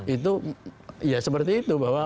itu ya seperti itu